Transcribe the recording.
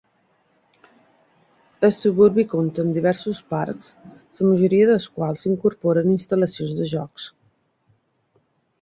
El suburbi compte amb diversos parcs, la majoria dels quals incorporen instal·lacions de jocs.